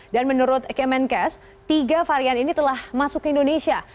dan menurut kemenkes tiga varian ini telah masuk ke indonesia